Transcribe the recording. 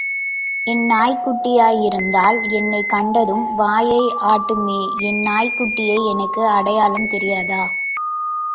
என் நாய்க்குட்டியாயிருந்தால், என்னைக் கண்டதும் வாலை ஆட்டுமே என் நாய்க் குட்டியை எனக்கு அடையாளம் தெரியாதா?